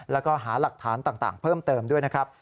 แล้วก็หาหลักฐานต่างเพิ่มเติมด้วยนะครับ